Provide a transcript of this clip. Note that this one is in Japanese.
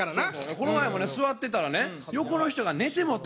この前もね座ってたらね横の人が寝てもうて。